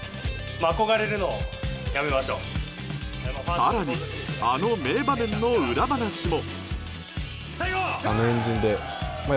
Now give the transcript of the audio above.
更に、あの名場面の裏話も。